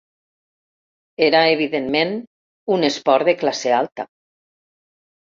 Era, evidentment, un esport de classe alta.